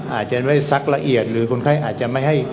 อาจจะได้ซักละเอียดหรือคนไข้อาจจะไม่ให้